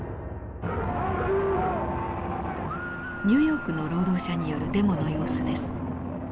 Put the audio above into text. ニューヨークの労働者によるデモの様子です。